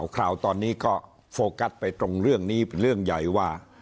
คราวนี้ก็โฟกัสไปตรงเรื่องนี้เป็นเรื่องใหญ่ว่า